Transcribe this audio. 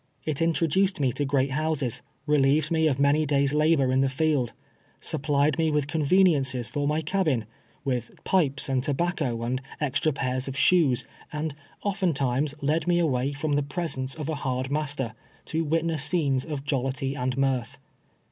It introduced me to great houses — relieved me of many days' labor in the lield — sup plied me with conveniences for my cabin — with pipes and tobacco, and extra pairs of shoes, and often times led me away from the presence of a hard mas ter, to witness scenes of jollity and mirth.